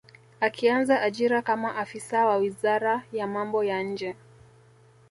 Akianza ajira kama afisa wa wizara ya mambo ya nje